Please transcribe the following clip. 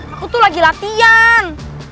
aku tuh lagi latihan